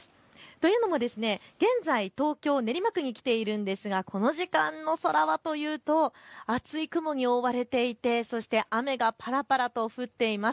というのも現在、東京練馬区に来ているんですが、この時間の空はというと厚い雲に覆われていて、そして雨がぱらぱらと降っています。